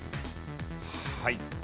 はい。